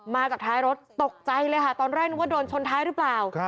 มาจากท้ายรถตกใจเลยค่ะตอนแรกนึกว่าโดนชนท้ายหรือเปล่า